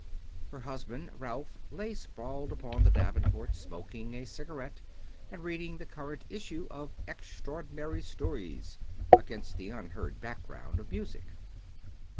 Her husband Ralph lay sprawled upon the davenport, smoking a cigarette and reading the current issue of EXTRAORDINARY STORIES against an unheard background of music.